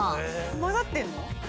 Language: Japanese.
混ざってんの？